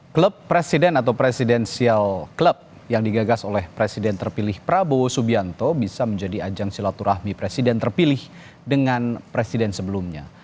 klub presiden atau presidensial klub yang digagas oleh presiden terpilih prabowo subianto bisa menjadi ajang silaturahmi presiden terpilih dengan presiden sebelumnya